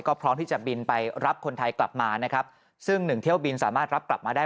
ก็พร้อมที่จะบินไปรับคนไทยกลับมานะครับซึ่งหนึ่งเที่ยวบินสามารถรับกลับมาได้